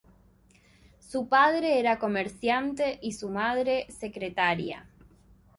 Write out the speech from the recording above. Su padre era comerciante y su madre secretaria.